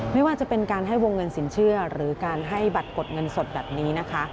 ไม่ว่าจะเป็นการให้วงเงินสินเชื่อหรือการให้บัตรกดเงินสดแบบนี้นะคะ